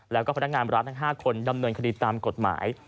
แล้วก็พนักงานร้านทั้ง๕คนดำเนินคดีตามกฎหมาย